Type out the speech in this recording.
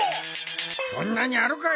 そんなにあるかい！